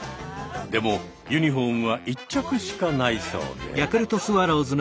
でもユニフォームは１着しかないそうで。